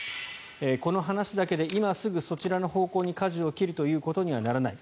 この話だけで今すぐそちらの方向にかじを切るということにはならない